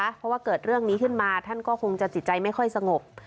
เพราะว่าเกิดเรื่องนี้ขึ้นมาท่านก็คงจะจิตใจไม่ค่อยสงบ